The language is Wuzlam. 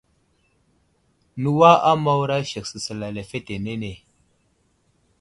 Newa a Mawra sek səsəla lefetenene.